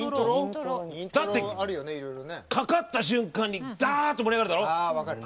だって、かかった瞬間にだーって盛り上がるだろ！